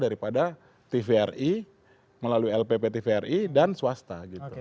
daripada tvri melalui lpp tvri dan swasta